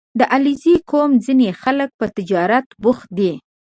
• د علیزي قوم ځینې خلک په تجارت بوخت دي.